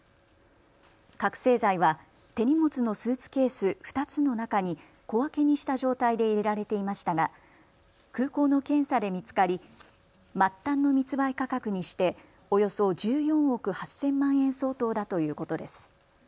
覚醒剤は手荷物のスーツケース２つの中に小分けにした状態で入れられていましたが空港の検査で見つかり末端の密売価格にしておよそ１４億８０００万円相当だということです。